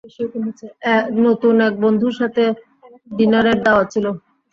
নতুন এক বন্ধুর সাথে ডিনারের দাওয়াত ছিল।